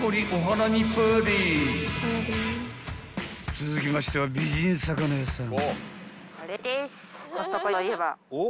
［続きましては美人魚屋さん］